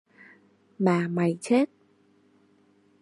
Mà mày chết